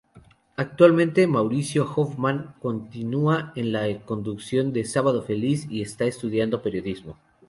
Actualmente Mauricio Hoffman continúa en la conducción de "Sábado feliz" y está estudiando periodismo.